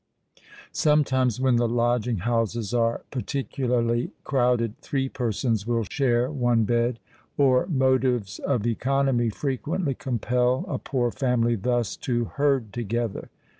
Sometimes, when the lodging houses are particularly crowded, three persons will share one bed;—or motives of economy frequently compel a poor family thus to herd together.